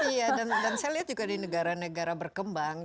iya dan saya lihat juga di negara negara berkembang